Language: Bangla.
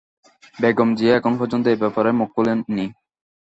বেগম জিয়া এখন পর্যন্ত এ ব্যাপারে মুখ খোলেননি।